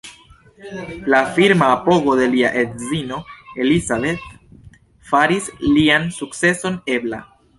La firma apogo de lia edzino Elizabeth faris lian sukceson ebla.